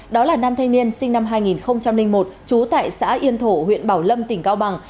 đó là nam thanh niên sinh năm hai nghìn một trú tại xã yên thổ huyện bảo lâm tỉnh cao bằng